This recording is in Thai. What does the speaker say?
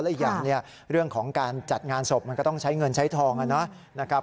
อีกอย่างเนี่ยเรื่องของการจัดงานศพมันก็ต้องใช้เงินใช้ทองนะครับ